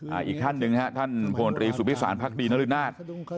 แล้วมีท่านหนึ่งนะครับท่านโพธรีสุภิสารพลักษณ์ดีนฤดนาศ